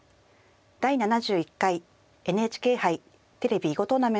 「第７１回ＮＨＫ杯テレビ囲碁トーナメント」です。